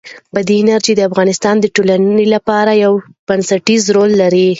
بادي انرژي د افغانستان د ټولنې لپاره یو بنسټيز رول لري.